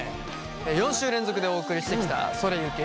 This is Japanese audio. ４週連続でお送りしてきた「それゆけ！